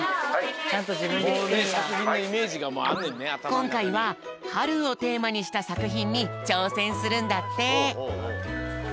こんかいははるをテーマにしたさくひんにちょうせんするんだって。